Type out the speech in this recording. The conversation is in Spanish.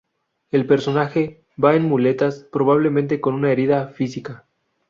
El personaje va en muletas, probablemente con una herida física.